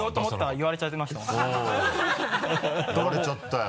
言われちゃったよ。